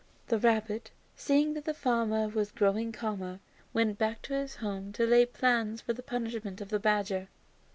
The rabbit, seeing that the farmer was growing calmer, went back to his home to lay his plans for the punishment of the badger.